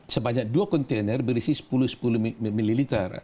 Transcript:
sebanyak dua kontainer berisi sepuluh sepuluh ml